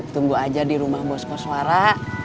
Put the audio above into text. tunggu aja di rumah bosko suara